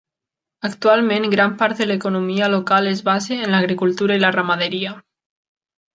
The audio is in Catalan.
Actualment, gran part de l'economia local es basa en l'agricultura i la ramaderia.